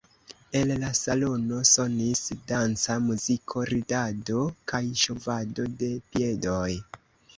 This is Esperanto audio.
El la salono sonis danca muziko, ridado kaj ŝovado de piedoj.